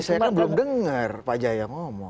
saya memang belum dengar pak jaya ngomong